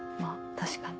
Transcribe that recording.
確かに。